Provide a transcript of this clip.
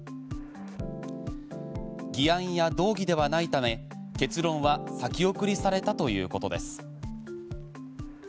議案や動議ではないため結論は先送りされたということです。